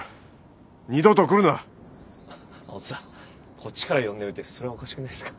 こっちから呼んどいてそれはおかしくないですか。